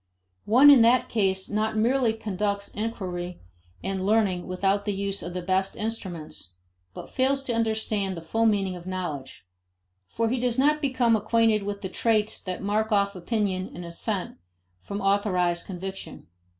One in that case not merely conducts inquiry and learning without the use of the best instruments, but fails to understand the full meaning of knowledge. For he does not become acquainted with the traits that mark off opinion and assent from authorized conviction.